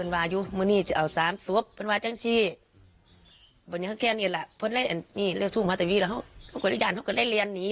ด้านในสตะพลนามอินอายุ๖๐ปี